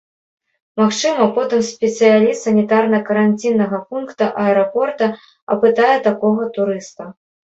Магчыма, потым спецыяліст санітарна-каранціннага пункта аэрапорта апытае такога турыста.